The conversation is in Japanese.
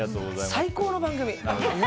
最高の番組。